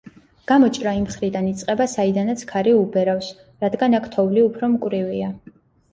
გამოჭრა იმ მხრიდან იწყება, საიდანაც ქარი უბერავს, რადგან აქ თოვლი უფრო მკვრივია.